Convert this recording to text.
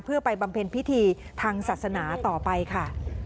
เพื่อไปบำเพ็ญพิธีทางศาสนาต่อไปค่ะ